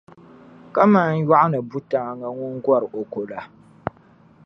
kaman yɔɣuni buntaaŋa ŋun gɔr’ o ko la.